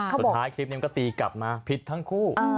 สุดท้ายคลิปนี้มันก็ตีกลับมาผิดทั้งคู่